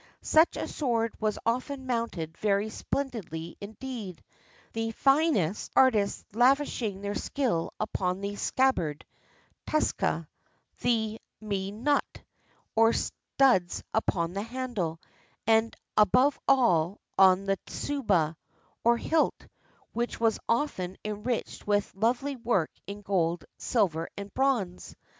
Such a sword was often mounted very splendidly indeed; the finest artists lavishing their skill upon the scabbard, tsuka, the me nuki, or studs upon the handle, and, above all, on the tsuba, or hilt, which was often enriched with lovely work in gold, silver, and bronze.